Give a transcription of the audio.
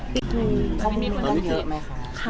บ้านลูกหลวงร้านเกี่ยวไหมค่ะ